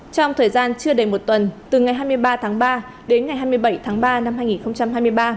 trong thời gian chưa đầy một tuần từ ngày hai mươi ba tháng ba đến ngày hai mươi bảy tháng ba năm hai nghìn hai mươi ba